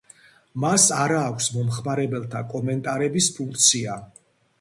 მას არ აქვს მომხმარებელთა კომენტარების ფუნქცია.